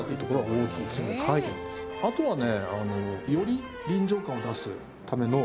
あとはね。